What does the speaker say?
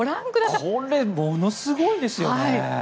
ものすごいですよね！